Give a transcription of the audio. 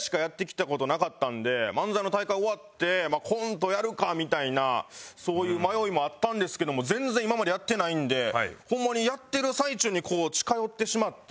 漫才の大会終わってまあコントやるかみたいなそういう迷いもあったんですけども全然今までやってないんでホンマにやってる最中にこう近寄ってしまってコント中も。